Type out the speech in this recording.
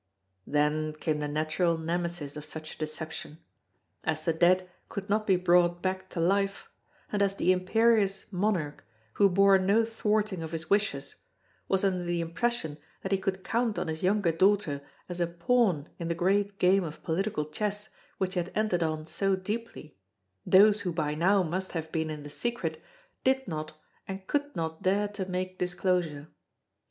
Then came the natural nemesis of such a deception. As the dead could not be brought back to life, and as the imperious monarch, who bore no thwarting of his wishes, was under the impression that he could count on his younger daughter as a pawn in the great game of political chess which he had entered on so deeply, those who by now must have been in the secret did not and could not dare to make disclosure.